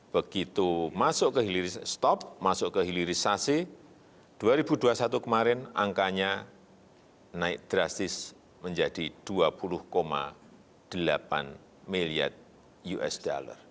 begitu masuk ke stop masuk ke hilirisasi dua ribu dua puluh satu kemarin angkanya naik drastis menjadi dua puluh delapan miliar usd